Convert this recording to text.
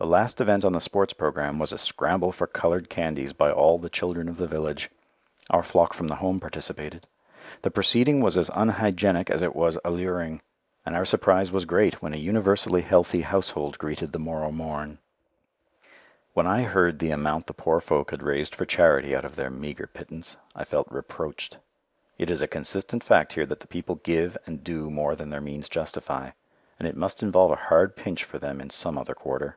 The last event on the sports programme was a scramble for coloured candies by all the children of the village. Our flock from the Home participated. The proceeding was as unhygienic as it was alluring, and our surprise was great when a universally healthy household greeted the morrow morn. When I heard the amount the poor folk had raised for charity out of their meagre pittance, I felt reproached. It is a consistent fact here that the people give and do more than their means justify, and it must involve a hard pinch for them in some other quarter.